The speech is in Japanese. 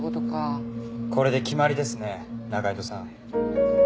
これで決まりですね仲井戸さん。